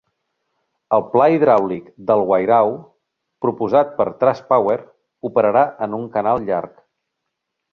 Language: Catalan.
El Pla Hidràulic del Wairau proposat per TrustPower operarà en un canal llarg.